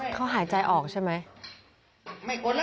เขาหายใจออกใช่ไหม